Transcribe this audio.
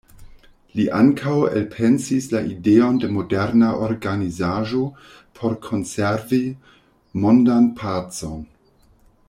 Li ankaŭ elpensis la ideon de moderna organizaĵo por konservi mondan pacon.